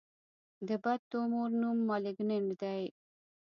د بد تومور نوم مالېګننټ دی.